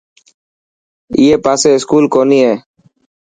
اڻي پاسي اسڪول ڪوني هي.